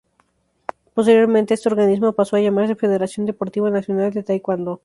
Posteriormente, este organismo pasó a llamarse Federación Deportiva Nacional de Taekwondo.